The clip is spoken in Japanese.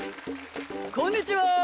こんにちは。